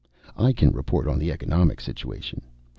"I can report on the economic situation.